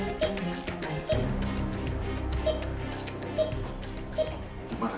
ya sudah istirahat aja ya